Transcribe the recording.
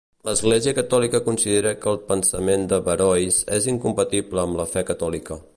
L'Església Catòlica considera que el pensament d'Averrois és incompatible amb la fe catòlica.